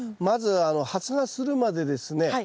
まず発芽するまでですね